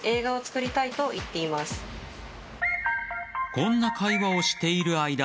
こんな会話をしている間